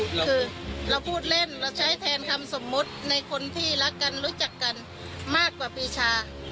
คือเราพูดเล่นเราใช้แทนคำสมมุติในคนที่รักกันรู้จักกันมากกว่าปีชา